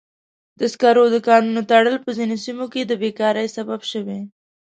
د سکرو د کانونو تړل په ځینو سیمو کې د بیکارۍ سبب شوی.